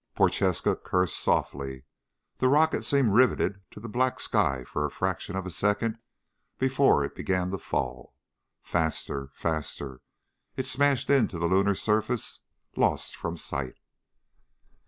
Prochaska cursed softly. The rocket seemed riveted to the black sky for a fraction of a second before it began to fall. Faster ... faster. It smashed into the lunar surface, lost from sight.